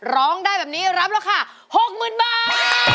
ร้องได้แบบนี้รับราคา๖๐๐๐บาท